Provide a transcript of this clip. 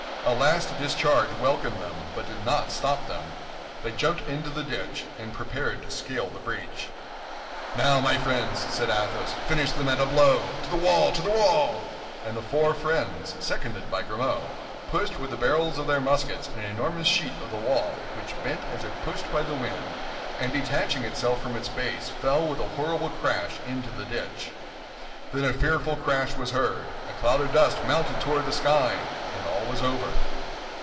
A last discharge welcomed them, but did not stop them; they jumped into the ditch, and prepared to scale the breach. "Now, my friends," said Athos, "finish them at a blow. To the wall; to the wall!" And the four friends, seconded by Grimaud, pushed with the barrels of their muskets an enormous sheet of the wall, which bent as if pushed by the wind, and detaching itself from its base, fell with a horrible crash into the ditch. Then a fearful crash was heard; a cloud of dust mounted toward the sky—and all was over!